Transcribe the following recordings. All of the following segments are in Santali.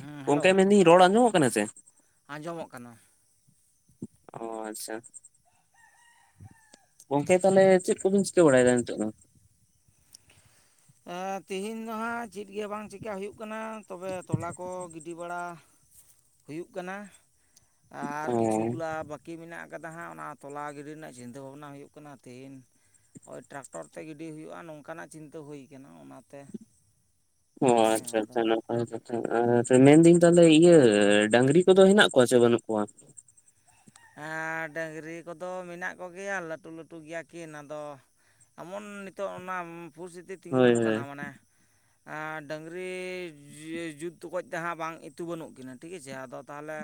ᱦᱮᱸ ᱦᱮᱞᱳ ᱜᱚᱝᱠᱮ ᱢᱮᱱᱫᱟᱹᱧ ᱨᱚᱲ ᱟᱸᱡᱚᱢᱳᱜ ᱠᱟᱱᱟ ᱥᱮ᱾ ᱟᱸᱡᱚᱢᱚᱜ ᱠᱟᱱᱟ᱾ ᱚ ᱟᱪᱪᱷᱟ, ᱜᱚᱝᱠᱮ ᱛᱟᱦᱚᱞᱮ ᱪᱮᱫ ᱠᱚᱵᱤᱱ ᱪᱤᱠᱟᱹ ᱵᱟᱲᱟᱭᱮᱫᱟ ᱱᱤᱛᱚᱜ ᱫᱚ? ᱛᱮᱦᱤᱧ ᱫᱚᱦᱟᱸᱜ ᱪᱮᱫ ᱜᱮ ᱵᱟᱝ ᱪᱤᱠᱟ ᱦᱩᱭᱩᱜ ᱠᱟᱱᱟ ᱛᱚᱵᱮ ᱛᱚᱞᱟ ᱠᱚ ᱜᱤᱰᱤ ᱵᱟᱲᱟ ᱦᱩᱭᱩᱜ ᱠᱟᱱᱟ ᱟᱨ ᱚ ᱠᱤᱪᱷᱩ ᱜᱩᱞᱟ ᱵᱟᱠ [unintelligible] ᱢᱮᱱᱟᱜ ᱟᱠᱟᱫᱟ ᱦᱟᱸᱜ ᱚᱱᱟ ᱛᱚᱞᱟ ᱜᱤᱰᱤ ᱨᱮᱱᱟᱜ ᱪᱤᱱᱛᱟᱹ ᱵᱷᱟᱵᱽᱱᱟ ᱦᱩᱭᱩᱜ ᱠᱟᱱᱟ ᱛᱤᱦᱤᱱ ᱦᱳᱭ ᱴᱨᱟᱠᱴᱚᱨ ᱛᱮ ᱜᱤᱰᱤ ᱦᱩᱭᱩᱜᱼᱟ ᱱᱚᱝᱠᱟᱱᱟᱜ ᱪᱤᱱᱛᱟᱹ ᱦᱩᱭ ᱠᱟᱱᱟ ᱚᱱᱟᱛᱮ ᱚ ᱦᱮᱸ ᱟᱪᱪᱷᱟ ᱟᱫᱚ ᱟᱪᱪᱷᱟ [unintelligible] ᱟᱪᱪᱷᱟ ᱟᱪᱪᱷᱟ ᱢᱮᱱᱫᱟᱹᱧ ᱛᱟᱦᱚᱞᱮ ᱤᱭᱟᱹ ᱰᱟᱝᱜᱨᱤ ᱠᱚᱫᱚ ᱦᱮᱱᱟᱜ ᱠᱚᱣᱟ ᱥᱮ ᱵᱟᱹᱱᱩᱜ ᱠᱚᱣᱟ? ᱟᱨ ᱰᱟᱹᱝᱜᱨᱤ ᱠᱚᱫᱚ ᱢᱮᱱᱟᱜ ᱠᱚᱜᱮᱭᱟ ᱞᱟᱹᱴᱩ ᱞᱟᱹᱴᱩ ᱜᱮᱭᱟ ᱠᱤᱱ᱾ ᱟᱫᱚ ᱮᱢᱚᱱ ᱱᱤᱛᱚᱜ ᱚᱱᱟ ᱯᱷᱩᱨᱥᱛᱤᱛᱤ ᱛᱤᱸᱜᱩ ᱦᱳᱭ ᱦᱳᱭ ᱠᱟᱱᱟ ᱢᱟᱱᱮ ᱰᱟᱝᱜᱨᱤ ᱡᱩᱛ ᱚᱠᱚᱡ ᱛᱮᱦᱟᱸᱜ ᱵᱟᱝ ᱤᱛᱩ ᱵᱟᱹᱱᱩᱜ ᱠᱤᱱᱟᱹ ᱴᱷᱤᱠ ᱟᱪᱷᱮ ᱟᱫᱚ ᱛᱟᱦᱚᱞᱮ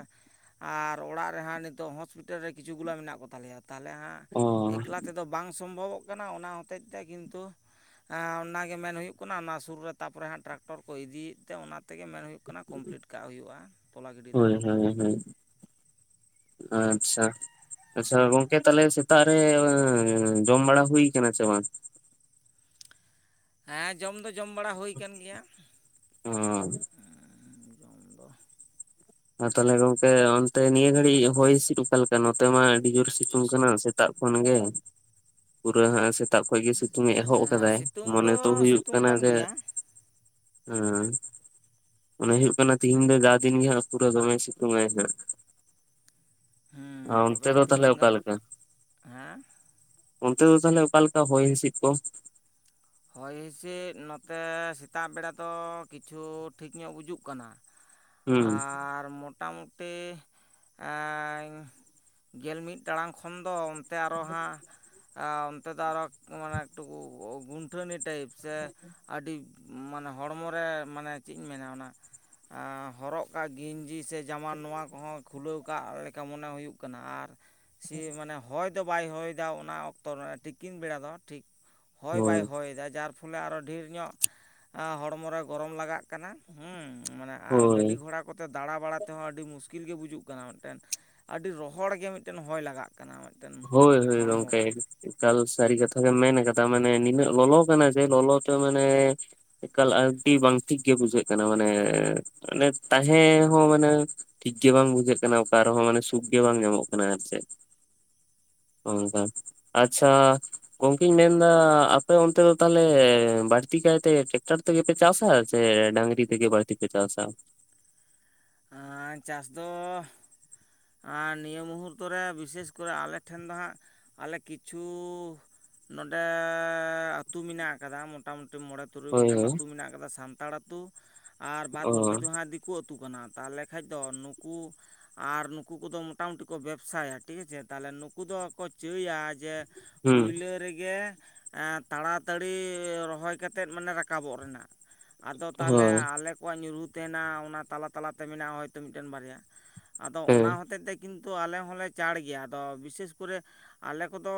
ᱟᱨ ᱚᱲᱟᱜ ᱨᱮᱦᱟᱸᱜ ᱱᱤᱛ ᱱᱤᱛᱚᱜ ᱦᱚᱸᱥᱯᱤᱴᱟᱞ ᱨᱮ ᱠᱤᱪᱷᱩᱜ ᱜᱩᱞᱟ ᱢᱮᱱᱟᱜ ᱠᱚ ᱛᱟᱞᱮᱭᱟ ᱛᱟᱦᱚᱞᱮ ᱦᱟᱸᱜ ᱚ ᱮᱠᱞᱟ ᱛᱮᱫᱚ ᱵᱟᱝ ᱥᱚᱢᱵᱷᱚᱵᱚᱜ ᱠᱟᱱᱟ ᱚᱱᱟ ᱦᱚᱛᱮᱡ ᱛᱮ ᱠᱤᱱᱛᱩ ᱚᱱᱟᱜᱮ ᱢᱮᱱ ᱦᱩᱭᱩᱜ ᱠᱟᱱᱟ ᱚᱱᱟ ᱥᱩᱨ ᱨᱮ ᱛᱟᱯᱚᱨᱮ ᱦᱟᱸᱜ ᱴᱨᱟᱠᱴᱚᱨ ᱠᱚ ᱤᱫᱤᱭᱮᱫ ᱛᱮ ᱚᱱᱟ ᱛᱮᱜᱮ ᱢᱮᱱ ᱦᱩᱭᱩᱜ ᱠᱟᱱᱟ ᱦᱩᱭᱩᱜ ᱠᱟᱱᱟ ᱠᱚᱢᱯᱞᱤᱴ ᱠᱟᱜ ᱦᱩᱭᱩᱜᱼᱟ ᱛᱚᱞᱟ ᱜᱤᱰᱤ ᱫᱚ᱾ ᱦᱮᱸ ᱦᱮᱸ᱾ ᱟᱪᱪᱷᱟ᱾ ᱟᱪᱪᱷᱟ ᱜᱚᱝᱠᱮ ᱛᱟᱦᱚᱞᱮ ᱥᱮᱛᱟᱜ ᱨᱮ ᱡᱚᱢ ᱵᱟᱲᱟ ᱦᱩᱭ ᱠᱟᱱᱟ ᱪᱮ ᱵᱟᱝ? ᱦᱮᱸ ᱡᱚᱢ ᱫᱚ ᱡᱚᱢ ᱵᱟᱲᱟ ᱦᱩᱭ ᱠᱟᱱ ᱜᱮᱭᱟ᱾ ᱦᱚᱸ᱾ [unintelligible] ᱡᱚᱢ ᱫᱚ᱾ ᱟᱨ ᱛᱟᱦᱚᱞᱮ ᱜᱚᱝᱠᱮ ᱚᱱᱛᱮ ᱱᱤᱭᱟᱹ ᱜᱷᱟᱹᱲᱤᱡ ᱦᱚᱭ ᱦᱤᱸᱥᱤᱫ ᱚᱠᱟᱞᱮᱠᱟ ᱱᱚᱛᱮ ᱢᱟ ᱟᱹᱰᱤ ᱡᱳᱨ ᱥᱤᱛᱩᱝ ᱠᱟᱱᱟ ᱥᱮᱛᱟᱜ ᱠᱷᱚᱱ ᱜᱮ ᱯᱩᱨᱟᱹ ᱦᱟᱸᱜ ᱛᱟᱨᱯᱚᱨᱮ ᱜᱮ ᱥᱤᱛᱩᱝ ᱮ ᱮᱦᱚᱵ ᱠᱟᱫᱟᱭ ᱥᱤᱛᱩᱝ ᱢᱚᱱᱮ ᱛᱚ ᱫᱚ ᱦᱩᱭᱩᱜ ᱥᱤᱛᱩᱝ ᱠᱟᱱᱟ ᱠᱟᱱ ᱡᱮ ᱜᱮᱭᱟ ᱦᱮᱸ ᱚᱱᱮ ᱦᱩᱭᱩᱜ ᱠᱟᱱᱟ ᱛᱤᱦᱤᱧ ᱫᱚ ᱡᱟ ᱫᱤᱱ ᱜᱮ ᱦᱟᱸᱜ ᱯᱩᱨᱟᱹ ᱫᱚᱢᱮᱭ ᱥᱤᱛᱩᱝ ᱟᱭ ᱦᱟᱸᱜ᱾ ᱦᱮᱸ ᱚᱱᱛᱮ ᱛᱚᱵᱮ ᱫᱚ ᱛᱟᱦᱚᱞᱮ ᱛᱮᱦᱮᱧ ᱚᱠᱟ ᱜᱟᱯᱟ ᱞᱮᱠᱟ? ᱦᱮᱸ ᱚᱱᱛᱮ ᱫᱚ ᱛᱟᱦᱚᱞᱮ ᱚᱠᱟ ᱞᱮᱠᱟ ᱦᱚᱭ ᱦᱤᱸᱥᱤᱫ ᱠᱚ? ᱦᱚᱭ ᱦᱤᱸᱥᱤᱫ ᱱᱚᱛᱮ ᱥᱮᱛᱟᱜ ᱵᱮᱲᱟ ᱫᱚ ᱠᱤᱪᱷᱩ ᱴᱷᱤᱠ ᱧᱚᱜ ᱵᱩᱡᱩᱜ ᱠᱟᱱᱟ᱾ [inaudible] ᱟᱨ ᱢᱚᱴ ᱢᱚᱴᱟᱢᱩᱴᱤ ᱜᱮᱞ ᱢᱤᱫ ᱴᱟᱲᱟᱝ ᱠᱷᱚᱱ ᱫᱚ ᱛᱮ ᱟᱨᱚ ᱦᱟᱸᱜ ᱚᱱᱛᱮ ᱫᱚ ᱟᱨᱚ ᱢᱟᱱᱮ ᱮᱠᱴᱩᱠᱩ ᱜᱩᱱ ᱟᱹᱴᱷᱟᱹᱱᱤ ᱴᱟᱭᱤᱯ ᱥᱮ ᱟᱹᱰᱤ ᱢᱟᱱᱮ ᱦᱚᱲᱢᱚ ᱨᱮ ᱢᱟᱱᱮ ᱪᱮᱫ ᱤᱧ ᱢᱮᱱᱟ ᱚᱱᱟ ᱦᱚᱨᱚᱜ ᱠᱟᱜ ᱜᱮᱤᱧᱡᱤ ᱥᱮ ᱡᱟᱢᱟ ᱱᱚᱣᱟ ᱠᱚᱦᱚᱸ ᱠᱷᱩᱞᱟᱹᱣ ᱠᱟᱜ ᱞᱮᱠᱟ ᱢᱚᱱᱮ ᱦᱩᱭᱩᱜ ᱠᱟᱱᱟ ᱾ ᱠᱟᱱᱟ ᱟᱨ ᱥᱮ ᱢᱟᱱᱮ ᱦᱚᱭ ᱫᱚ ᱵᱟᱭ ᱦᱚᱭ ᱫᱟ ᱚᱱᱟ ᱚᱠᱛᱚ ᱨᱮ ᱛᱤᱠᱤᱱ ᱵᱮᱲᱟ ᱫᱚ ᱴᱷᱤᱠ ᱦᱚᱭ ᱦᱳᱭ ᱵᱟᱭ ᱦᱚ ᱡᱟᱨ ᱯᱷᱚᱞᱮ ᱟᱨᱚ ᱰᱷᱮᱨ ᱧᱚᱜ ᱦᱚᱲᱢᱚ ᱨᱮ ᱜᱚᱨᱚᱢ ᱞᱟᱜᱟᱜ ᱠᱟᱱᱟ ᱦᱩᱸ ᱢᱟᱱᱮ ᱟᱨ ᱦᱳᱭ ᱜᱟᱹᱰᱤ ᱜᱷᱚᱲᱟᱜ ᱠᱚᱛᱮ ᱫᱟᱬᱟ ᱵᱟᱲᱟ ᱛᱮᱦᱚᱸ ᱟᱹᱰᱤ ᱢᱩᱥᱠᱤᱞ ᱜᱮ ᱵᱩᱡᱩᱜ ᱠᱟᱱᱟ ᱢᱤᱫᱴᱮᱱ ᱟᱹᱰᱤ ᱨᱚᱦᱚᱲ ᱜᱮ ᱢᱤᱫᱴᱮᱱ ᱦᱚᱭ ᱞᱟᱜᱟᱜ ᱠᱟᱱᱟ ᱢᱤᱫᱴᱮᱱ ᱦᱳᱭ ᱦᱳᱭ ᱦᱚᱲᱢᱚ ᱜᱚᱝᱠᱮ ᱨᱮ ᱮᱠᱟᱞ ᱥᱟᱨᱤ ᱠᱟᱛᱷᱟ ᱜᱮ ᱢᱮᱱ ᱠᱟᱫᱟ ᱢᱟᱱᱮ ᱱᱤᱱᱟᱹᱜ ᱞᱚᱞᱚ ᱠᱟᱱᱟ ᱡᱮ ᱞᱚᱞᱚ ᱛᱮ ᱢᱟᱱᱮ ᱮᱠᱟᱞ ᱟᱹᱰᱤ ᱵᱟᱝ ᱴᱷᱤᱠ ᱜᱮ ᱵᱩᱡᱷᱟᱹᱜ ᱠᱟᱱᱟ ᱢᱟᱱᱮ ᱢᱟᱱᱮ ᱛᱟᱦᱮᱸ ᱦᱚᱸ ᱢᱟᱱᱮ ᱴᱷᱤᱠᱜᱮ ᱵᱟᱝ ᱵᱩᱡᱷᱟᱹᱜ ᱠᱟᱱᱟ ᱚᱠᱟ ᱨᱮᱦᱚᱸ ᱢᱟᱱᱮ ᱥᱩᱠ ᱜᱮ ᱵᱟᱝ ᱧᱟᱢᱚᱜ ᱠᱟᱱᱟ ᱟᱨ ᱪᱮᱫ ᱚ ᱟᱪᱷᱟ ᱜᱚᱝᱠᱮᱧ ᱢᱮᱱᱫᱟ ᱟᱯᱮ ᱚᱱᱛᱮ ᱫᱚ ᱛᱟᱦᱚᱞᱮ ᱵᱟᱹᱲᱛᱤ ᱠᱟᱭᱛᱮ ᱴᱮᱠᱴᱟᱨ ᱛᱮᱜᱮ ᱯᱮ ᱪᱟᱥᱟ ᱥᱮ ᱰᱟᱝᱨᱤ ᱛᱮᱜᱮ ᱵᱟᱹᱲᱛᱤ ᱯᱮ ᱪᱟᱥᱟ ᱾ ᱟᱨ ᱪᱟᱥ ᱫᱚ ᱟᱨ ᱱᱤᱭᱟᱹ ᱢᱩᱦᱩᱨᱛᱚ ᱨᱮ ᱵᱤᱥᱮᱥ ᱠᱚᱨᱮ ᱟᱞᱮ ᱴᱷᱮᱱ ᱫᱚ ᱦᱟᱸᱜ ᱟᱞᱮ ᱠᱤᱪᱷᱩ ᱱᱚᱰᱮ ᱟᱹᱛᱩ ᱢᱮᱱᱟᱜ ᱟᱠᱟᱫᱟ ᱢᱚᱴ ᱢᱚᱴᱟᱢᱩᱴᱤ ᱢᱚᱬᱮ ᱛᱩᱨᱩᱭ ᱦᱳᱭ ᱜᱚᱴᱮᱱ ᱦᱳᱭ ᱟᱹᱛᱩ ᱢᱮᱱᱟᱜ ᱟᱠᱟᱫᱟ ᱥᱟᱱᱛᱟᱲ ᱟᱹᱛᱩ ᱟᱨ ᱵᱟᱫ ᱚ ᱵᱟᱹᱠᱤ ᱫᱚ ᱦᱟᱸᱜ ᱫᱤᱠᱩ ᱟᱹᱛᱩ ᱟᱹᱛᱩ ᱠᱟᱱᱟ ᱛᱟᱦᱚᱞᱮ ᱠᱷᱟᱡ ᱫᱚ ᱱᱩᱠᱩ ᱟᱨ ᱱᱩᱠᱩ ᱠᱚᱫᱚ ᱢᱳᱚᱴᱟᱢᱩᱴᱤ ᱠᱚ ᱵᱮᱵᱽᱥᱟᱭᱟ ᱴᱷᱤᱠ ᱟᱪᱷᱮ ᱛᱟᱦᱞᱮ ᱱᱩᱠᱩ ᱫᱚᱠᱚ ᱪᱟᱹᱭᱟ ᱡᱮ ᱦᱩᱸ ᱯᱩᱭᱞᱟᱹ ᱨᱮᱜᱮ ᱛᱟᱲᱟᱛᱟᱹᱲᱤ ᱨᱚᱦᱚᱭ ᱠᱟᱛᱮᱫ ᱢᱟᱱᱮ ᱨᱟᱠᱟᱵᱚᱜ ᱨᱮᱱᱟᱜ ᱟᱫᱚ ᱛᱟᱦᱚᱞᱮ ᱦᱳᱭ ᱟᱞᱮ ᱟᱠᱚᱣᱟᱜ ᱧᱩᱨᱦᱩ ᱛᱟᱦᱮᱱᱟ ᱚᱱᱟ ᱛᱟᱞᱟ ᱛᱟᱞᱟᱛᱮ ᱢᱮᱱᱟᱜᱼᱟ ᱦᱚᱭᱛᱚ ᱢᱤᱴᱮᱱ ᱵᱟᱨᱭᱟ ᱟᱫᱚ ᱦᱮᱸ ᱚᱱᱟ ᱦᱚᱛᱮ ᱛᱮ ᱠᱤᱱᱛᱩ ᱟᱞᱮ ᱦᱚᱸᱞᱮ ᱪᱟᱲ ᱜᱮᱭᱟ ᱟᱫᱚ ᱵᱤᱥᱮᱥ ᱠᱚᱨᱮ ᱟᱞᱮ ᱠᱚᱫᱚ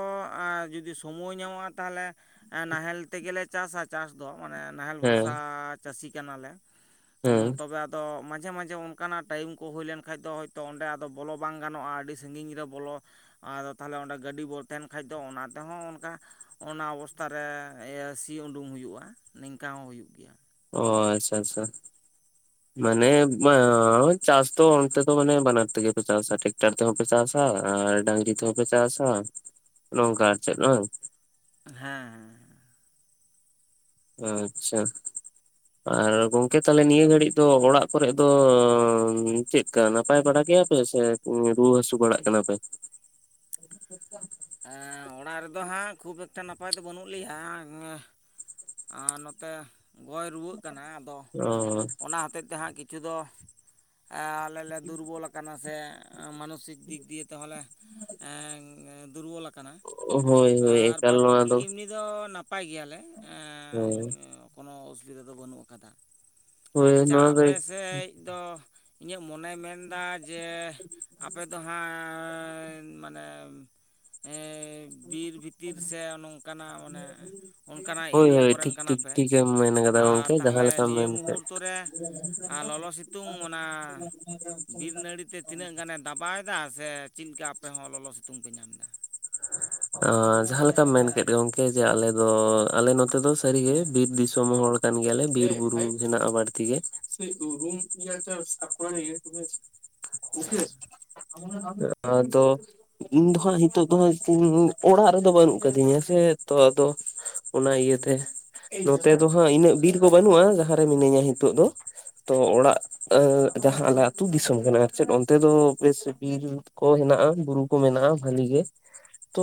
ᱡᱩᱫᱤ ᱥᱚᱢᱚᱭ ᱧᱟᱢᱚᱜᱼᱟ ᱛᱟᱦᱚᱞᱮ ᱱᱟᱦᱮᱞ ᱛᱮᱜᱮᱞᱮ ᱪᱟᱥᱟ ᱾ ᱪᱟᱥ ᱫᱚ ᱢᱟᱱᱮ ᱱᱟᱦᱮᱞ ᱦᱮᱸ ᱵᱷᱚᱨᱥᱟ ᱪᱟᱹᱥᱤ ᱠᱟᱱᱟᱞᱮ ᱦᱮᱸ ᱛᱚᱵᱮ ᱟᱫᱚ ᱢᱟᱡᱷᱮ ᱢᱟᱡᱷᱮ ᱚᱱᱠᱟᱱᱟᱜ ᱴᱟᱭᱤᱢ ᱠᱚ ᱦᱩᱭ ᱞᱮᱱᱠᱷᱟᱡ ᱫᱚ ᱦᱚᱭᱛᱳ ᱚᱸᱰᱮ ᱟᱫᱚ ᱵᱚᱞᱚ ᱵᱟᱝ ᱜᱟᱱᱚᱜᱼᱟ ᱟᱹᱰᱤ ᱥᱟᱺᱜᱤᱧ ᱨᱮ ᱵᱚᱞᱚ ᱟᱫᱚ ᱛᱟᱦᱞᱮ ᱚᱸᱰᱮ ᱜᱟᱹᱰᱤ ᱵᱚᱱ ᱛᱟᱦᱮᱱ ᱠᱷᱟᱡ ᱫᱚ ᱚᱱᱟ ᱛᱮᱦᱚᱸ ᱚᱱᱠᱟ ᱚᱱᱟ ᱚᱵᱚᱥᱛᱷᱟ ᱨᱮ ᱥᱤ ᱩᱰᱩᱝ ᱦᱩᱭᱩᱜᱼᱟ ᱱᱤᱝᱠᱟ ᱦᱚᱸ ᱦᱩᱭᱩᱜ ᱜᱮᱭᱟ ᱚ ᱟᱪᱪᱷᱟ ᱟᱪᱪᱷᱟ ᱢᱟᱱᱮ ᱪᱟᱥ ᱛᱚ ᱚᱱᱛᱮ ᱛᱚ ᱢᱟᱱᱮ ᱵᱟᱱᱟᱨ ᱛᱮ ᱜᱮ ᱯᱮ ᱪᱟᱥᱟ ᱴᱮᱠᱴᱟᱨ ᱛᱮ ᱯᱮ ᱪᱟᱥᱟ ᱟᱨ ᱰᱟᱝᱨᱤ ᱛᱮᱦᱚᱸ ᱯᱮ ᱪᱟᱥᱟ ᱱᱚᱝᱠᱟ ᱟᱨ ᱪᱮᱫ ᱵᱟᱝ ᱦᱮᱸ ᱦᱮᱸ ᱟᱪᱪᱷᱟ ᱟᱨ ᱜᱚᱝᱠᱮ ᱛᱟᱦᱚᱞᱮ ᱱᱤᱭᱟᱹ ᱜᱷᱟᱹᱲᱤᱡ ᱫᱚ ᱚᱲᱟᱜ ᱠᱚᱨᱮ ᱫᱚ ᱪᱮᱫ ᱪᱠᱟ ᱱᱟᱯᱟᱭ ᱵᱟᱲᱟ ᱜᱮᱭᱟ ᱯᱮ ᱥᱮ ᱨᱩᱣᱟᱹ ᱦᱟᱹᱥᱩ ᱵᱟᱲᱟᱜ ᱠᱟᱱᱟ ᱯᱮ? ᱮ ᱚᱲᱟᱜ ᱨᱮᱫᱚ ᱦᱟᱸᱜ ᱠᱷᱩᱵ ᱮᱠᱴᱟ ᱱᱟᱯᱟᱭ ᱫᱚ ᱵᱟᱹᱱᱩᱜ ᱞᱮᱭᱟ ᱟᱨ ᱱᱚᱛᱮ ᱜᱚᱭ ᱨᱩᱣᱟᱹᱜ ᱠᱟᱱᱟ ᱟᱫᱚ ᱚ ᱚᱱᱟ ᱦᱚᱛᱮᱫ ᱛᱮ ᱦᱟᱸᱜ ᱠᱤᱪᱷᱩ ᱠᱤᱪᱷᱩ ᱫᱚ ᱟᱞᱮ ᱞᱮ ᱫᱩᱨᱵᱚᱞ ᱟᱠᱟᱱᱟ ᱠᱟᱱᱟ ᱥᱮ ᱢᱟᱱᱚᱥᱤᱠ ᱫᱤᱠ ᱫᱤᱭᱮ ᱛᱮᱦᱚᱸ ᱞᱮ ᱫᱩᱨᱵᱚᱞ ᱟᱠᱟᱱᱟ ᱦᱳᱭ ᱦᱳᱭ ᱟᱨ ᱮᱠᱟᱞ ᱵᱟᱫᱽ ᱱᱚᱣᱟ ᱵᱟᱹᱠᱤ ᱮᱢᱱᱤ ᱫᱚ ᱱᱟᱯᱟᱭ ᱜᱮᱭᱟᱞᱮ ᱦᱩᱸ ᱠᱳᱱᱳ ᱚᱥᱩᱵᱤᱫᱟ ᱫᱚ ᱵᱟᱹᱱᱩᱜ ᱟᱠᱟᱫᱟ ᱦᱳᱭ ᱟᱪᱪᱷᱟ ᱱᱚᱣᱟ ᱫᱚ ᱟᱯᱮᱥᱮᱫ ᱫᱚ, ᱤᱧᱟᱹᱜ ᱢᱚᱱᱮᱭ ᱢᱮᱱᱫᱟ ᱡᱮ ᱟᱯᱮ ᱫᱚ ᱦᱟᱸᱜ ᱢᱟᱱᱮ, [inaudible] ᱵᱤᱨ ᱵᱷᱤᱛᱤᱨ ᱥᱮ ᱱᱚᱝᱠᱟᱱᱟᱜ ᱚᱱᱟ ᱦᱳᱭ ᱦᱳᱭ ᱴᱷᱤᱠ ᱴᱷᱤᱠ ᱴᱷᱤᱠᱜᱮᱢ ᱢᱮᱱ ᱠᱟᱫᱟ ᱟᱨ ᱜᱚᱢᱠᱮ ᱡᱟᱦᱟᱸ ᱛᱟᱦᱚᱞᱮ ᱞᱮᱠᱟᱢ ᱱᱤᱭᱟᱹ ᱢᱮᱱ ᱠᱮᱫ ᱟᱨ [inaudible] ᱢᱩᱦᱩᱨᱛᱚ ᱨᱮ ᱞᱚᱞᱚ ᱥᱤᱛᱩᱝ ᱚᱱᱟ ᱵᱟᱭ ᱫᱟᱜ ᱥᱮ ᱪᱮᱫ ᱞᱮᱠᱟ ᱟᱯᱮ ᱦᱚᱸ ᱞᱚᱞᱚ ᱥᱤᱛᱩᱝ ᱯᱮ ᱧᱟᱢᱮᱫᱟ᱾ ᱟ ᱡᱟᱦᱟ ᱞᱮᱠᱟᱢ ᱢᱮᱱ ᱠᱮᱫ ᱜᱚᱝᱠᱮ ᱡᱮ ᱟᱞᱮ ᱫᱚ ᱟᱞᱮ ᱱᱚᱛᱮ ᱫᱚ ᱥᱟᱹᱨᱤᱜᱮ ᱵᱤᱨ ᱫᱤᱥᱚᱢ ᱦᱚᱲ ᱠᱟᱱ ᱜᱮᱭᱟᱞᱮ ᱵᱤᱨ ᱵᱩᱨᱩ ᱦᱮᱱᱟᱜ-ᱟ ᱵᱟᱲᱛᱤ ᱜᱮ ᱟᱫᱚ ᱤᱧ ᱫᱚᱦᱟᱸᱜ ᱱᱤᱛᱳᱜ ᱫᱚ ᱦᱟᱸᱜ ᱤᱧ ᱚᱲᱟᱜ ᱨᱮᱫᱚ ᱵᱟᱹᱱᱩᱜ ᱟᱠᱟᱫᱤᱧᱟ ᱥᱮ ᱛᱚ ᱟᱫᱚ ᱚᱱᱟ ᱤᱭᱟᱹᱛᱮ ᱱᱚᱛᱮ ᱫᱚ ᱦᱟᱸᱜ ᱤᱱᱟᱹᱜ ᱵᱤᱨ ᱫᱚ ᱵᱟᱹᱱᱩᱜᱼᱟ ᱡᱟᱦᱟᱸ ᱨᱮ ᱢᱤᱱᱟᱹᱧᱟ ᱱᱤᱛᱚᱜ ᱫᱚ ᱛᱚ ᱚᱲᱟᱜ ᱡᱟᱦᱟᱸ ᱟᱞᱮ ᱟᱹᱛᱩ ᱫᱤᱥᱚᱢ ᱠᱟᱱᱟ ᱪᱮᱫ ᱚᱱᱛᱮ ᱫᱚ ᱵᱮᱥ ᱵᱤᱨ ᱠᱚ ᱦᱮᱱᱟᱜᱼᱟ ᱵᱩᱨᱩ ᱠᱚ ᱢᱮᱱᱟᱜᱼᱟ ᱵᱷᱟᱞᱤ ᱜᱮ ᱛᱚ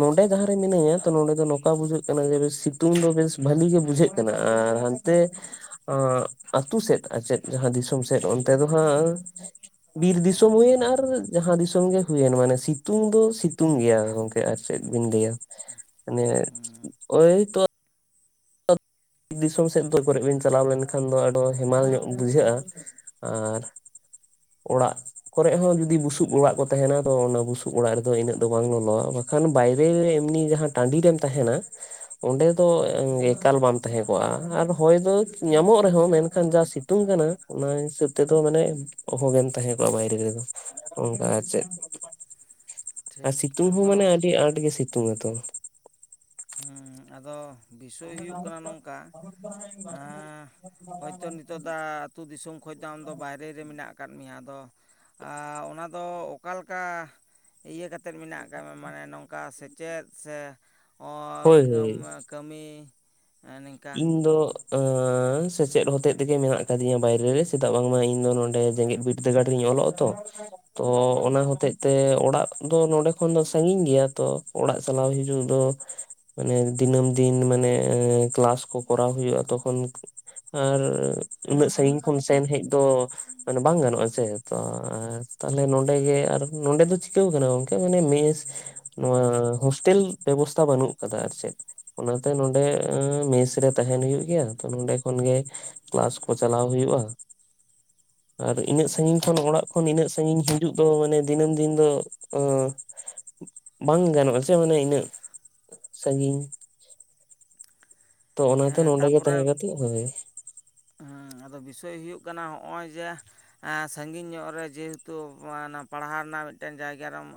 ᱱᱚᱰᱮ ᱡᱟᱦᱟᱸᱨᱮ ᱢᱤᱱᱟᱹᱧᱟ ᱛᱚ ᱱᱚᱰᱮ ᱫᱚ ᱱᱚᱝᱠᱟ ᱵᱩᱡᱷᱟᱹᱜ ᱠᱟᱱᱟ ᱡᱮ ᱥᱤᱛᱩᱝ ᱫᱚ ᱵᱮᱥ ᱵᱷᱟᱹᱞᱤ ᱜᱮ ᱵᱩᱡᱷᱟᱹᱜ ᱠᱟᱱᱟ ᱟᱨ ᱦᱟᱱᱛᱮ ᱟᱹᱛᱩ ᱥᱮᱫ ᱟᱪᱮᱫ ᱡᱟᱦᱟᱸ ᱫᱤᱥᱚᱢ ᱥᱮᱫ ᱚᱱᱛᱮ ᱫᱚ ᱦᱟᱸᱜ ᱵᱤᱨ ᱫᱤᱥᱚᱢ ᱦᱩᱭᱮᱱ ᱟᱨ ᱡᱟᱦᱟᱸ ᱫᱤᱥᱚᱢ ᱜᱮ ᱦᱩᱭᱮᱱ ᱢᱟᱱᱮ ᱥᱤᱛᱩᱝ ᱫᱚ ᱥᱤᱛᱩᱝ ᱜᱮᱭᱟ ᱜᱚᱢᱠᱮ ᱟᱨ ᱪᱮᱫ ᱵᱤᱱ ᱞᱟᱹᱭᱟᱹ ᱢᱟᱱᱮ ᱮᱤ ᱛᱳ ᱫᱤᱥᱚᱢ ᱥᱮᱫ ᱫᱚ ᱯᱟᱞᱮᱫ ᱵᱤᱱ ᱪᱟᱞᱟᱣ ᱞᱮᱱᱠᱷᱟᱱ ᱫᱚ ᱟᱰᱚ ᱦᱮᱢᱟᱞ ᱧᱚᱜ ᱵᱩᱡᱷᱟᱜ-ᱟ᱾ ᱟᱨ ᱚᱲᱟᱜ ᱠᱚᱨᱮ ᱦᱚᱸ ᱡᱩᱫᱤ ᱵᱩᱥᱩᱵ ᱚᱲᱟᱜ ᱠᱚ ᱛᱟᱦᱮᱱᱟ ᱛᱚ ᱚᱱᱟ ᱵᱩᱥᱩᱵ ᱚᱲᱟᱜ ᱨᱮᱫᱚ ᱤᱱᱟᱹᱜ ᱫᱚ ᱵᱟᱝ ᱞᱚᱞᱚᱼᱟ ᱵᱟ ᱵᱟᱝ ᱠᱷᱟᱱ ᱵᱟᱭᱨᱮ ᱨᱮ ᱮᱢᱱᱤ ᱡᱟᱦᱟᱸ ᱴᱟᱺᱰᱤ ᱨᱮᱢ ᱛᱟᱦᱮᱱᱟ ᱚᱸᱰᱮ ᱫᱚ ᱮᱠᱟᱞ ᱵᱟᱢ ᱛᱟᱦᱮᱸ ᱠᱚᱜᱼᱟ ᱟᱨ ᱦᱚᱭ ᱫᱚ ᱧᱟᱢᱚᱜ ᱨᱮᱦᱚᱸ ᱢᱮᱱᱠᱷᱟᱱ ᱡᱟ ᱥᱤᱛᱩᱝ ᱠᱟᱱᱟ ᱚᱱᱟ ᱦᱤᱥᱟᱹᱵᱽ ᱛᱮᱫᱚ ᱢᱟᱱᱮ ᱚᱦᱩᱜᱮᱢ ᱛᱟᱦᱮᱸ ᱠᱚᱜᱼᱟ ᱵᱟᱭᱨᱮ ᱨᱮᱫᱚ ᱚᱱᱠᱟ ᱪᱮᱫ ᱟᱨ ᱴᱷᱤᱠ ᱥᱤᱛᱩᱝ ᱦᱚᱸ ᱢᱟᱱᱮ ᱟᱫᱚ ᱟᱹᱰᱤ ᱟᱸᱴ ᱜᱮ ᱥᱤᱛᱩᱝ ᱟᱛᱚ ᱦᱳ ᱟᱫᱚ ᱵᱤᱥᱚᱭ ᱦᱩᱭᱩᱜ ᱠᱟᱱᱟ ᱱᱚᱝᱠᱟ ᱦᱚᱭᱛᱚ ᱱᱤᱛᱳ ᱫᱟ ᱟᱹᱛᱩ ᱫᱤᱥᱚᱢ ᱠᱷᱚᱱ ᱫᱚ ᱟᱢᱫᱚ ᱵᱟᱭᱨᱮ ᱨᱮ ᱢᱮᱱᱟᱜ ᱟᱠᱟᱫ ᱢᱮᱭᱟ ᱟᱫᱚ ᱟ ᱚᱱᱟ ᱫᱚ ᱚᱠᱟᱞᱮᱠᱟ ᱤᱭᱟᱹ ᱠᱟᱛᱮ ᱛᱮᱫ ᱢᱮᱱᱟᱜ ᱟᱠᱟᱫ ᱢᱟᱱᱮ ᱱᱚᱝᱠᱟ ᱥᱮᱪᱮᱫ ᱥᱮ ᱦᱳᱭ ᱦᱳᱭ ᱟᱨ ᱠᱟᱹᱢᱤ ᱱᱤᱝᱠᱟ ᱤᱧ ᱫᱚ ᱥᱮᱪᱮᱫ ᱦᱚᱛᱮᱫ ᱛᱮᱜᱮ ᱢᱮᱱᱟᱜ ᱟᱠᱟᱫᱤᱧᱟ ᱵᱟᱭᱨᱮ ᱨᱮ ᱥᱮᱛᱟᱜ ᱵᱟᱝᱢᱟ ᱤᱧ ᱫᱚ ᱱᱚᱰᱮ ᱡᱮᱜᱮᱛ ᱵᱤᱨᱫᱟᱹᱜᱟᱲ ᱨᱤᱧ ᱚᱞᱚᱜ ᱛᱚ ᱛᱚ ᱚᱱᱟ ᱦᱚᱛᱮᱜ ᱛᱮ ᱚᱲᱟᱜ ᱫᱚ ᱱᱚᱰᱮ ᱠᱷᱚᱱ ᱫᱚ ᱥᱟᱺᱜᱤᱧ ᱜᱮᱭᱟ ᱛᱚ ᱚᱲᱟᱜ ᱪᱟᱞᱟᱣ ᱦᱤᱡᱩᱜ ᱫᱚ ᱢᱟᱱᱮ ᱫᱤᱱᱟᱹᱢ ᱫᱤᱱ ᱢᱟᱱᱮ ᱮ ᱠᱮᱞᱟᱥ ᱠᱚ ᱠᱚᱨᱟᱣ ᱦᱩᱭᱩᱜᱼᱟ ᱛᱚᱠᱷᱚᱱ ᱟᱨ ᱩᱱᱟᱹᱜ ᱥᱟᱺᱜᱤᱧ ᱠᱷᱚᱱ ᱥᱮᱱ ᱦᱮᱡ ᱫᱚ ᱢᱟᱱᱮ ᱵᱟᱝ ᱜᱟᱱᱚᱜᱼᱟ ᱥᱮ ᱛᱚ ᱛᱟᱦᱞᱮ ᱱᱚᱰᱮ ᱜᱮ ᱟᱨ ᱱᱚᱰᱮ ᱫᱚ ᱪᱤᱠᱟᱹᱣ ᱠᱟᱱᱟ ᱜᱚᱝᱠᱮ ᱢᱟᱱᱮ ᱢᱮᱥ ᱱᱚᱣᱟ ᱦᱥᱴᱮᱞ ᱵᱮᱵᱚᱥᱛᱷᱟ ᱵᱟᱹᱱᱩᱜ ᱟᱠᱟᱫᱟ ᱟᱨ ᱪᱮᱫ ᱚᱱᱟᱛᱮ ᱱᱚᱰᱮ ᱢᱮᱥ ᱨᱮ ᱛᱟᱦᱮᱱ ᱦᱳᱭᱳᱜ ᱜᱮᱭᱟ ᱛᱚ ᱱᱚᱰᱮ ᱠᱷᱚᱱ ᱜᱮ ᱠᱮᱞᱟᱥ ᱠᱚ ᱪᱟᱞᱟᱣ ᱦᱩᱭᱩᱭᱩᱜᱼᱟ᱾ ᱟᱨ ᱤᱱᱟᱹᱜ ᱥᱟᱺᱜᱤᱧ ᱠᱷᱚᱱ ᱚᱲᱟᱜ ᱠᱷᱚᱱ ᱤᱱᱟᱹᱜ ᱥᱟᱺᱜᱤᱧ ᱦᱤᱡᱩᱜ ᱫᱚ ᱢᱟᱱᱮ ᱫᱤᱱᱟᱹᱢ ᱫᱤᱱ ᱫᱚ ᱵᱟᱝ ᱜᱟᱱᱚᱜᱼᱟ ᱥᱮ ᱢᱟᱱᱮ ᱤᱱᱟᱹᱜ ᱥᱟᱺᱜᱤᱧ ᱛᱚ ᱚᱱᱟᱛᱮ ᱦᱮᱸ ᱱᱚᱰᱮ ᱜᱮ ᱛᱟᱯᱚᱨᱮ ᱛᱟᱦᱮ ᱠᱟᱛᱮ ᱦᱳᱭ ᱦᱮᱸ ᱟᱫᱚ ᱵᱤᱥᱚᱭ ᱦᱩᱭᱩᱜ ᱠᱟᱱᱟ ᱦᱚᱜᱼᱚᱭ ᱡᱮ ᱥᱟᱺᱜᱤᱧ ᱧᱚᱜ ᱨᱮ ᱡᱮᱦᱮᱛᱩ ᱯᱟᱲᱦᱟᱣ ᱨᱮᱱᱟᱜ ᱢᱤᱫᱴᱮᱱ ᱡᱟᱭᱜᱟ ᱨᱮᱢ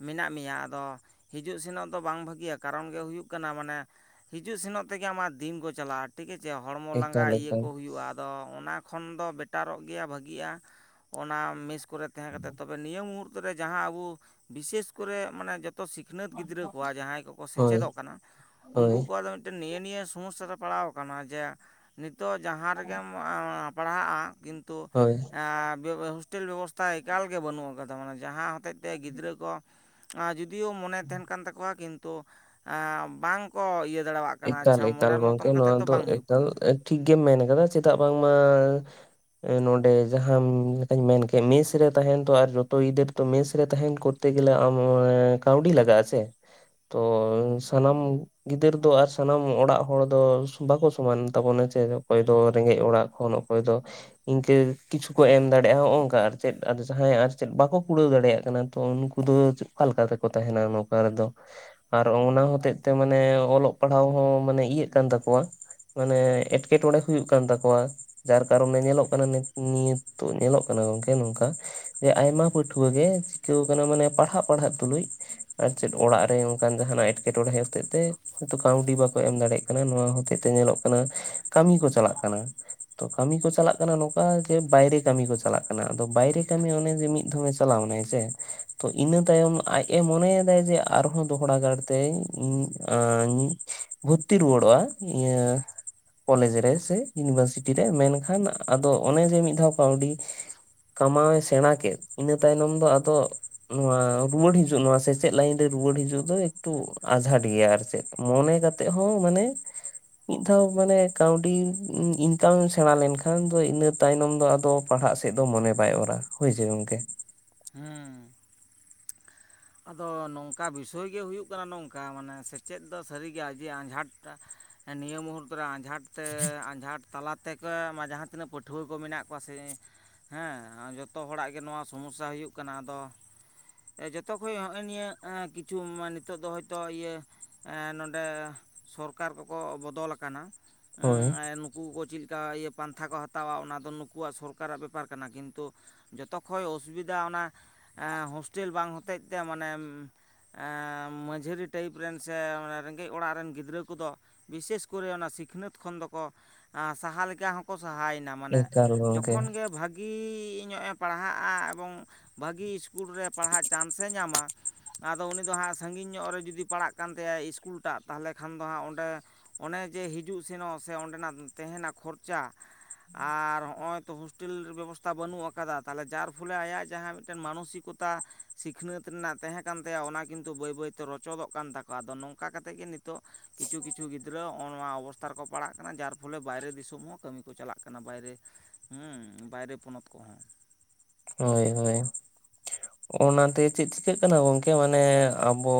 ᱢᱮᱱᱟᱜ ᱢᱮᱭᱟ ᱟᱫᱚ ᱦᱤᱡᱩᱜ ᱥᱮᱱᱚᱜ ᱫᱚ ᱵᱟᱝ ᱵᱷᱟᱹᱜᱤᱭᱟ ᱠᱟᱨᱚᱱ ᱜᱮ ᱦᱩᱭᱩᱜ ᱠᱟᱱᱟ ᱢᱟᱱᱮ ᱦᱤᱡᱩᱜ ᱥᱮᱱᱚᱜ ᱛᱮᱜᱮ ᱟᱢᱟᱜ ᱫᱤᱱ ᱠᱚ ᱪᱟᱞᱟᱜᱼᱟ ᱴᱷᱤᱠ ᱟᱪᱷᱮ ᱦᱚᱲᱢᱚ ᱮᱠᱟᱞ ᱞᱟᱸᱜᱟ ᱤᱭᱟᱹ ᱮᱠᱟᱞ ᱠᱚ ᱦᱩᱭᱩᱜᱼᱟ ᱟᱫᱚ ᱚᱱᱟ ᱠᱷᱚᱱ ᱫᱚ ᱵᱮᱴᱟᱨᱚᱜ ᱜᱮᱭᱟ ᱵᱷᱟᱜᱤᱜᱼᱟ ᱚᱱᱟ ᱢᱮᱥ ᱠᱚᱨᱮ ᱛᱟᱦᱮᱸ ᱠᱟᱛᱮ ᱛᱚᱵᱮ ᱱᱤᱭᱟᱹ ᱢᱩᱦᱩᱨᱛᱚ ᱨᱮ ᱡᱟᱦᱟᱸ ᱟᱵᱚ ᱵᱤᱥᱮᱥ ᱠᱚᱨᱮ ᱢᱟᱱᱮ ᱡᱚᱛᱚ ᱥᱤᱠᱷᱱᱟᱹᱛ ᱜᱤᱫᱽᱨᱟᱹ ᱠᱚᱣᱟᱜ ᱡᱟᱦᱟᱸᱭ ᱠᱚᱠᱚ ᱦᱳᱭ ᱥᱮᱪᱮᱫᱚᱜ ᱠᱟᱱᱟ ᱦᱳᱭ ᱩᱱᱠᱩ ᱠᱚᱣᱟᱜ ᱫᱚ ᱢᱤᱫᱴᱮᱱ ᱱᱤᱭᱟᱹ ᱱᱤᱭᱟᱹ ᱥᱚᱢᱚᱥᱥᱟ ᱨᱮ ᱯᱟᱲᱟᱣ ᱟᱠᱟᱱᱟ ᱡᱮ ᱫᱚ ᱡᱟᱦᱟᱸ ᱨᱮᱜᱮᱢ ᱯᱟᱲᱦᱟᱜᱼᱟ ᱠᱤᱱᱛᱩ ᱦᱳᱭ ᱵᱮᱵᱚᱥ ᱦᱳᱥᱴᱮᱞ ᱵᱮᱵᱚᱥᱛᱷᱟ ᱮᱠᱟᱞᱜᱮ ᱵᱟᱹᱱᱩᱜ ᱟᱠᱟᱫᱟ ᱢᱟᱱᱮ ᱡᱟᱦᱟᱸ ᱦᱚᱛᱮᱡ ᱛᱮ ᱜᱤᱫᱽᱨᱟᱹ ᱠᱚ ᱡᱳᱫᱤᱭᱳ ᱢᱚᱱᱮ ᱛᱟᱦᱮᱱ ᱠᱟᱱ ᱛᱟᱠᱚᱣᱟ ᱠᱤᱱᱛᱩ ᱵᱟᱝ ᱠᱚ ᱤᱭᱟᱹ ᱫᱟᱲᱮᱭᱟᱜ ᱠᱟᱱᱟ ᱮᱠᱟᱞ ᱟᱪᱪᱷᱟ ᱮᱠᱟᱞ ᱢᱚᱱᱮᱨ ᱜᱚᱝᱠᱮ ᱢᱚᱛᱚᱱ ᱠᱟᱛᱮᱫ ᱱᱚᱣᱟ ᱫᱚ ᱵᱟᱝ ᱦᱩᱭᱩᱜ ᱮᱠᱟᱞ ᱠᱟᱱᱟ ᱴᱷᱤᱠ ᱜᱮᱢ ᱢᱮᱱ ᱠᱟᱫᱟ ᱪᱮᱫᱟᱜ ᱵᱟᱝᱢᱟ ᱱᱚᱰᱮ ᱡᱟᱦᱟᱸ ᱞᱮᱠᱟᱧ ᱢᱮᱱᱠᱮᱜ ᱢᱮᱥ ᱨᱮ ᱛᱟᱦᱮᱱ ᱛᱚ ᱟᱨ ᱡᱚᱛᱚ ᱜᱤᱫᱟᱹᱨ ᱛᱚ ᱢᱮᱥ ᱨᱮ ᱛᱟᱦᱮᱱ ᱠᱚᱨᱛᱮ ᱜᱮᱞᱮ ᱟᱢ ᱠᱟᱹᱣᱰᱤ ᱞᱟᱜᱟᱜ ᱟᱥᱮ ᱛᱚ ᱥᱟᱱᱟᱢ ᱜᱤᱫᱟᱹᱨ ᱫᱚ ᱟᱨ ᱥᱟᱱᱟᱢ ᱚᱲᱟᱜ ᱦᱚᱲ ᱫᱚ ᱵᱟᱠᱚ ᱥᱚᱢᱟᱱ ᱛᱟᱵᱚᱱᱟ ᱪᱮ ᱚᱠᱚᱭ ᱫᱚ ᱨᱮᱸᱜᱮᱡ ᱚᱲᱟᱜ ᱠᱷᱚᱱ ᱚᱠᱚᱭ ᱫᱚ- ᱤᱱᱠᱟᱹ ᱠᱤᱪᱷᱩ ᱠᱚ ᱮᱢ ᱫᱟᱲᱮᱼᱟ ᱦᱚᱭᱝᱠᱟ ᱟᱨ ᱪᱮᱫ ᱡᱟᱦᱟᱸᱭᱟᱜ ᱟᱨ ᱪᱮᱫ ᱵᱟᱠᱚ ᱠᱩᱲᱟᱹᱣ ᱫᱟᱲᱮᱭᱟᱜ ᱠᱟᱱᱟ ᱩᱱᱠᱩ ᱩᱱᱠᱩ ᱫᱚ ᱚᱠᱟ ᱞᱮᱠᱟ ᱛᱮᱠᱚ ᱛᱟᱦᱮᱱᱟ ᱱᱚᱝᱠᱟ ᱨᱮᱫᱚ ᱟᱨ ᱚᱱᱟ ᱦᱚᱛᱮᱡ ᱛᱮ ᱢᱟᱱᱮ ᱚᱞᱚᱜ ᱯᱟᱲᱦᱟᱣ ᱦᱚᱸ ᱢᱟᱱᱮ ᱤᱭᱟᱹᱜ ᱠᱟᱱ ᱛᱟᱠᱚᱣᱟ ᱢᱟᱱᱮ ᱮᱸᱴᱠᱮᱴᱚᱬᱮ ᱦᱩᱭᱩᱜ ᱠᱟᱱ ᱛᱟᱠᱚᱣᱟ ᱡᱟᱨ ᱠᱟᱨᱚᱱᱮ ᱧᱮᱞᱚᱜ ᱠᱟᱱᱟ ᱱᱤᱛ ᱱᱤᱭᱟᱹ ᱧᱮᱞᱚᱜ ᱠᱟᱱᱟ ᱜᱚᱝᱠᱮ ᱱᱚᱝᱠᱟ ᱟᱭᱢᱟ ᱯᱟᱹᱴᱷᱩᱣᱟ ᱜᱮᱡ ᱤᱠᱟᱹᱣ ᱠᱟᱱᱟ ᱢᱟᱱᱮ ᱯᱟᱲᱦᱟᱜ ᱯᱟᱲᱦᱟᱜ ᱛᱩᱞᱩᱡ ᱟᱨ ᱪᱮᱫ ᱚᱲᱟᱜ ᱨᱮ ᱚᱱᱠᱟᱱ ᱡᱟᱦᱟᱱᱟᱜ ᱮᱴᱠᱮᱴᱚᱬᱮ ᱦᱚᱛᱮᱡ ᱛᱮ ᱠᱟᱹᱣᱰᱤ ᱵᱟᱠᱚ ᱮᱢ ᱫᱟᱲᱮᱭᱟᱜ ᱠᱟᱱᱟ ᱱᱚᱣᱟ ᱦᱚᱛᱮᱡ ᱛᱮ ᱧᱮᱞᱚᱜ ᱠᱟᱱᱟ ᱠᱟᱹᱢᱤ ᱠᱚ ᱪᱟᱞᱟᱜ ᱠᱟᱱᱟ᱾ ᱛᱚ ᱠᱟᱹᱢᱤ ᱠᱚ ᱪᱟᱞᱟᱜ ᱠᱟᱱᱟ ᱱᱚᱝᱠᱟ ᱡᱮ ᱵᱟᱭᱨᱮ ᱠᱟᱹᱢᱤ ᱠᱚ ᱪᱟᱞᱟᱜ ᱠᱟᱱᱟ ᱟᱫᱚ ᱵᱟᱭᱨᱮ ᱠᱟᱹᱢᱤ ᱚᱱᱮ ᱡᱮ ᱢᱤᱫ ᱫᱷᱟᱣᱮ ᱪᱟᱞᱟᱣᱱᱟᱭ ᱥᱮ ᱛᱚ ᱤᱱᱟᱹ ᱛᱟᱭᱚᱢ ᱟᱡᱼᱮ ᱢᱚᱱᱮᱭᱮᱫᱟᱭ ᱡᱮ ᱟᱨᱦᱚᱸ ᱫᱚᱦᱲᱟ ᱜᱟᱲᱛᱮ ᱤᱧ- ᱵᱷᱩᱨᱛᱤ ᱨᱩᱣᱟᱹᱲᱚᱜᱼᱟ ᱤᱭᱟᱹ ᱠᱚᱞᱮᱡᱽ ᱨᱮ ᱥᱮ ᱤᱭᱩᱱᱤᱵᱷᱟᱨᱥᱤᱴᱤ ᱨᱮ ᱢᱮᱱᱠᱷᱟᱱ ᱟᱫᱚ ᱚᱱᱮ ᱡᱮ ᱢᱤᱫ ᱫᱷᱟᱣ ᱠᱟᱹᱣᱰᱤ ᱠᱟᱢᱟᱣᱮ ᱥᱮᱬᱟ ᱠᱮᱫ ᱤᱱᱟᱹ ᱛᱟᱭᱱᱚᱢ ᱫᱚ ᱟᱫᱚ ᱱᱚᱣᱟ ᱨᱩᱣᱟᱹᱲ ᱦᱤᱡᱩᱜ ᱱᱚᱣᱟ ᱥᱮᱪᱮᱫ ᱞᱟᱭᱤᱱ ᱨᱮ ᱨᱩᱣᱟᱹᱲ ᱦᱤᱡᱩᱜ ᱫᱚ ᱮᱠᱴᱩ ᱟᱸᱷᱟᱴ ᱜᱮᱭᱟ ᱟᱨ ᱪᱮᱫ ᱢᱚᱱᱮ ᱠᱟᱛᱮᱜ ᱦᱚᱸ ᱢᱟᱱᱮ ᱢᱤᱫ ᱫᱷᱟᱣ ᱢᱟᱱᱮ ᱠᱟᱹᱣᱰᱤ ᱤᱱᱠᱟᱢ ᱥᱮᱬᱟ ᱞᱮᱱᱠᱷᱟᱱ ᱫᱚ ᱤᱱᱟᱹ ᱛᱟᱭᱱᱚᱢ ᱫᱚ ᱟᱫᱚ ᱯᱟᱲᱦᱟᱜ ᱥᱮᱫ ᱫᱚ ᱢᱚᱱᱮ ᱵᱟᱭ ᱚᱨᱟ ᱦᱳᱭᱥᱮ ᱜᱚᱝᱠᱮ ᱦᱮᱸ ᱟᱫᱚ ᱱᱚᱝᱠᱟ ᱵᱤᱥᱚᱭ ᱜᱮ ᱦᱩᱭᱩᱜ ᱠᱟᱱᱟ ᱱᱚᱝᱠᱟ ᱢᱟᱱᱮ ᱥᱮᱪᱮᱫ ᱫᱚ ᱥᱟᱹᱨᱤᱜᱮ ᱟᱡᱮ ᱟᱸᱡᱷᱟᱴ ᱱᱤᱭᱟᱹ ᱢᱩᱦᱩᱨᱛ ᱨᱮ ᱟᱸᱡᱷᱟᱴ ᱛᱮ ᱟᱸᱡᱷᱟᱴ ᱛᱟᱞᱟ ᱛᱮᱜᱮ ᱢᱟ ᱡᱟᱦᱟᱸ ᱛᱤᱱᱟᱹᱜ ᱯᱟᱹᱴᱷᱩᱣᱟᱹ ᱠᱚ ᱢᱮᱱᱟᱜ ᱠᱚᱣᱟ ᱥᱮ ᱦᱮᱸ ᱡᱚᱛᱚ ᱦᱚᱲᱟᱜ ᱜᱮ ᱱᱚᱣᱟ ᱥᱚᱢᱚᱥᱥᱟ ᱦᱩᱭᱩᱜ ᱠᱟᱱᱟ ᱟᱫᱚ ᱡᱚᱛᱚ ᱠᱷᱚᱱ ᱦᱚᱜᱼᱚᱭ ᱱᱤᱭᱟᱹ ᱠᱤᱪᱷᱩ ᱢᱟ ᱱᱤᱛᱚᱜ ᱫᱚ ᱦᱚᱭᱛᱳ ᱤᱭᱟᱹ [inaudible] ᱱᱚᱰᱮ ᱥᱚᱨᱠᱟᱨ ᱠᱚᱠᱚ ᱵᱚᱫᱚᱞ ᱟᱠᱟᱱᱟ ᱦᱳᱭ [inaudible] ᱱᱩᱠᱩ ᱠᱚ ᱪᱮᱫ ᱞᱮᱠᱟ ᱤᱭᱟᱹ ᱯᱟᱱᱛᱷᱟ ᱠᱚ ᱦᱟᱛᱟᱣᱟ ᱚᱱᱟ ᱫᱚ ᱱᱩᱠᱩᱣᱟᱜ ᱥᱚᱨᱠᱟᱨᱟᱜ ᱵᱮᱯᱟᱨ ᱠᱟᱱᱟ ᱠᱤᱱᱛᱩ ᱡᱚᱛᱚᱠᱷᱚᱡ ᱚᱥᱩᱵᱤᱫᱷᱟ ᱚᱱᱟ ᱦᱳᱥᱴᱮᱞ ᱵᱟᱝ ᱦᱚᱛᱮᱡ ᱛᱮ ᱢᱟᱱᱮ ᱮᱻ ᱢᱟᱹᱡᱟᱹᱨᱤ ᱴᱟᱭᱤᱯ ᱨᱮᱱ ᱥᱮ ᱨᱮᱸᱜᱮᱡ ᱚᱲᱟᱜ ᱨᱮᱱ ᱜᱤᱫᱽᱨᱟᱹ ᱠᱚᱫᱚ ᱵᱤᱥᱮᱥ ᱠᱚᱨᱮ ᱚᱱᱟ ᱥᱤᱠᱷᱱᱟᱹᱛ ᱠᱷᱚᱱ ᱫᱚᱠᱚ ᱥᱟᱦᱟ ᱞᱮᱠᱟ ᱦᱚᱸᱠᱚ ᱥᱟᱦᱟᱭᱮᱱᱟ ᱢᱟᱱᱮ ᱮᱠᱟᱞ ᱜᱚᱝᱠᱮ ᱡᱚᱠᱷᱚᱱ ᱜᱮ ᱵᱷᱟᱜ ᱵᱷᱟᱹᱜᱤ ᱧᱚᱜᱼᱮ ᱯᱟᱲᱦᱟᱜᱼᱟ ᱮᱵᱚᱝ ᱵᱷᱟᱹᱜᱤ ᱤᱥᱠᱩᱞ ᱨᱮ ᱯᱟᱲᱦᱟᱜ ᱪᱟᱱᱥ ᱮ ᱧᱟᱢᱟ ᱟᱫᱚ ᱩᱱᱤ ᱫᱚ ᱦᱟᱸᱜ ᱥᱟᱺᱜᱤᱧ ᱧᱚᱜ ᱨᱮ ᱡᱩᱫᱤ ᱯᱟᱲᱟᱜ ᱠᱟᱱ ᱛᱟᱭᱟ ᱤᱥᱠᱩᱞᱴᱟᱜ ᱛᱟᱦᱚᱞᱮ ᱠᱷᱟᱱ ᱫᱚ ᱦᱟᱸᱜ ᱚᱸᱰᱮ ᱚᱱᱮ ᱡᱮ ᱦᱤᱡᱩᱜ ᱥᱮᱱᱚᱜ ᱥᱮ ᱚᱸᱰᱮᱱᱟᱜ ᱛᱟᱦᱮᱱᱟ ᱠᱷᱚᱨᱪᱟ ᱟᱨ ᱦᱚᱸᱜᱼᱚᱭ ᱛᱚ ᱦᱳᱥᱴᱮᱞ ᱵᱮᱵᱚᱥᱛᱷᱟ ᱵᱟᱹᱱᱩᱜ ᱟᱠᱟᱫᱟ ᱛᱟᱦᱚᱞᱮ ᱡᱟᱨ ᱯᱷᱚᱞᱮ ᱟᱭᱟᱜ ᱡᱟᱦᱟᱸ ᱢᱤᱫᱴᱮᱱ ᱢᱟᱱᱚᱥᱤᱠᱚᱛᱟ- ᱛᱟ ᱥᱤᱠᱷᱱᱟᱹᱛ ᱨᱮᱱᱟᱜ ᱛᱟᱦᱮᱸ ᱠᱟᱱ ᱛᱟᱭᱟ ᱚᱱᱟ ᱠᱤᱱᱛᱩ ᱵᱟᱹᱭ ᱵᱟᱹᱭᱛᱮ ᱨᱚᱪᱚᱫᱚᱜ ᱠᱟᱱ ᱛᱟᱠᱚᱣᱟ ᱟᱫᱚ ᱱᱚᱝᱠᱟ ᱠᱟᱛᱮᱫ ᱜᱮ ᱱᱤᱛᱚᱜ ᱠᱤᱪᱷᱩ ᱠᱤᱪᱷᱩ ᱜᱤᱫᱽᱨᱟᱹ ᱦᱚᱸᱚ ᱱᱚᱣᱟ ᱚᱵᱛᱷᱟ ᱨᱮᱠᱚ ᱯᱟᱲᱟᱜ ᱠᱟᱱᱟ ᱡᱟᱨ ᱯᱷᱚᱞᱮ ᱵᱟᱭᱨᱮ ᱫᱤᱥᱚᱢ ᱦᱚᱸ ᱠᱟᱹᱢᱤ ᱠᱚ ᱪᱟᱞᱟᱜ ᱠᱟᱱᱟ ᱵᱟᱭᱨᱮ ᱦᱩᱸ ᱵᱟᱭᱨᱮ ᱯᱚᱱᱚᱛ ᱠᱚᱦᱚᱸ ᱦᱳᱭ ᱦᱳᱭ ᱚᱱᱟᱛᱮ ᱪᱮᱫ ᱪᱤᱠᱟᱹᱜ ᱠᱟᱱᱟ ᱜᱚᱢᱠᱮ ᱢᱟᱱᱮ ᱟᱵᱚ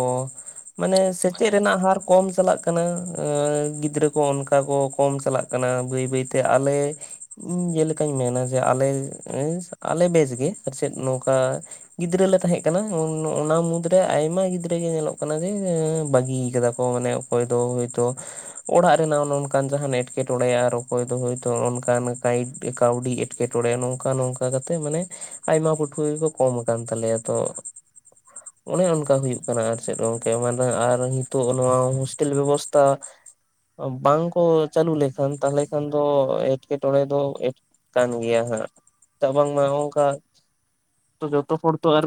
ᱢᱟᱱᱮ ᱥᱮᱪᱮᱫ ᱨᱮᱱᱟᱜ ᱦᱟᱨ ᱠᱚᱢ ᱪᱟᱞᱟᱜ ᱠᱟᱱᱟ ᱜᱤᱫᱽᱨᱟᱹ ᱠᱚ ᱚᱱᱠᱟ ᱠᱚ ᱠᱚᱢ ᱪᱟᱞᱟᱜ ᱠᱟᱱᱟ ᱵᱟᱹᱭ ᱵᱟᱹᱭᱛᱮ ᱟᱞᱮ ᱤᱧ ᱡᱮᱞᱮᱠᱟᱧ ᱢᱮᱱᱟ ᱡᱮ ᱟᱞᱮ [unintelligible] ᱟᱞᱮ ᱵᱮᱪᱜᱮ ᱢᱟᱪᱮᱫ ᱱᱚᱝᱠᱟ ᱜᱤᱫᱽᱨᱟᱹᱞᱮ ᱛᱟᱦᱮᱸᱜ ᱠᱟᱱᱟ ᱩᱱ ᱚᱱᱟ ᱢᱩᱫᱽᱨᱮ ᱟᱭᱢᱟ ᱜᱤᱫᱽᱨᱟᱹ ᱜᱮ ᱧᱮᱞᱚᱜ ᱠᱟᱱᱟ ᱡᱮ ᱵᱟᱹᱜᱤᱭᱟ ᱠᱟᱫᱟ ᱠᱚ ᱢᱟᱱᱮ ᱠᱚᱨᱮ ᱫᱚ ᱦᱚᱭ ᱛᱚ ᱚᱲᱟᱜ ᱨᱮᱱᱟᱜ ᱚᱱᱮ ᱚᱱᱠᱟᱱ ᱡᱟᱦᱟᱱ ᱮᱴᱠᱮᱴᱚᱬᱮ ᱟᱨ ᱚᱠᱚᱭ ᱫᱚ ᱦᱳᱭᱛᱳ ᱚᱱᱠᱟᱱ ᱜᱟᱭᱤᱰ ᱮᱠᱟᱶᱰᱤ ᱮᱸᱴᱠᱮᱴᱚᱲᱮ ᱱᱚᱝᱠᱟ ᱱᱚᱝᱠᱟ ᱠᱟᱛᱮᱜ ᱢᱟᱱᱮ ᱟᱭᱢᱟ ᱯᱟᱹᱴᱷᱩᱣᱟᱹ ᱜᱮᱠᱚ ᱠᱚᱢ ᱠᱟᱱᱟᱱ ᱛᱟᱞᱮᱭᱟ ᱛᱚ ᱚᱱᱮ ᱚᱱᱠᱟ ᱦᱩᱭᱩᱜ ᱠᱟᱱᱟ ᱟᱨ ᱪᱮᱫ ᱚᱢᱠᱮ ᱮᱢᱟᱱ ᱟᱨ ᱱᱤᱛᱳᱜ ᱱᱚᱣᱟ ᱦᱚᱥᱴᱮᱞ ᱵᱮᱵᱚᱥᱛᱟ ᱵᱟᱝᱠᱚ ᱪᱟᱹᱞᱩ ᱞᱮᱠᱷᱟᱱ ᱛᱟᱦᱞᱮ ᱠᱷᱟᱱ ᱫᱚ ᱮᱴᱠᱮᱴᱚᱬᱮ ᱫᱚ ᱮ ᱠᱟᱱ ᱜᱮᱭᱟ ᱦᱟᱸᱜ ᱫᱟᱜ ᱵᱟᱝᱢᱟ ᱦᱚ ᱚᱝᱠᱟ ᱡᱚᱛᱚ ᱦᱚᱲ ᱛᱚ ᱟᱨ